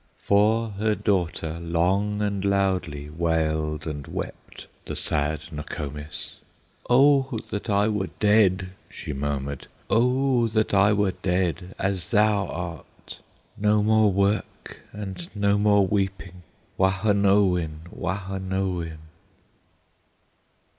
For her daughter long and loudly Wailed and wept the sad Nokomis; "Oh that I were dead!" she murmured, "Oh that I were dead, as thou art! No more work, and no more weeping, Wahonowin! Wahonowin!"